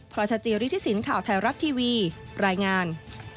พลัชจีริทศิลป์ข่าวไทยรับทีวีรายงาน